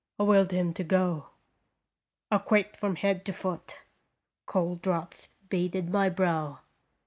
I willed him to go. I quaked from head to foot. Cold drops beaded my brow.